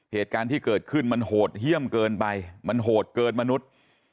เหตุการณ์ที่เกิดขึ้นมันโหดเยี่ยมเกินไปมันโหดเกินมนุษย์